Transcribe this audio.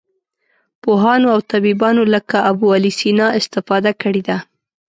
پوهانو او طبیبانو لکه ابوعلي سینا استفاده کړې ده.